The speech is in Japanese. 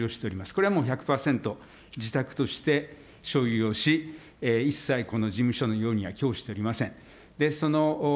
これは１００％、自宅として所有をし、一切この事務所のようにはきょうしておりません。